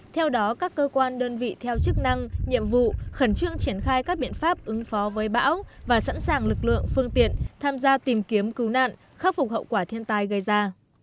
theo đó các cơ quan đơn vị theo chức năng nhiệm vụ khẩn trương triển khai các biện pháp ứng phó với bão và sẵn sàng lực lượng phương tiện tham gia tìm kiếm cứu nạn khắc phục hậu quả thiên tai gây ra